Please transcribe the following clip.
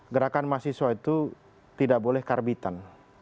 gerakan mahasiswa itu tidak boleh karbitan